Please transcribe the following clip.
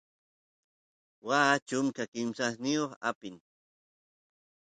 waa chunka kimsayoq apin